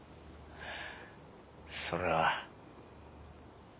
それは。